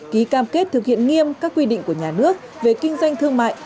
ký cam kết thực hiện nghiêm các quy định của nhà nước về kinh doanh thương mại